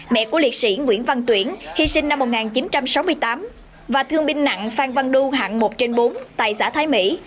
mẹ của liệt sĩ nguyễn văn tuyển hy sinh năm một nghìn chín trăm sáu mươi tám và thương binh nặng phan văn đu hạng một trên bốn tại xã thái mỹ